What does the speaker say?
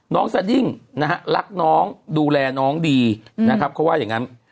สดิ้งนะฮะรักน้องดูแลน้องดีนะครับเขาว่าอย่างนั้น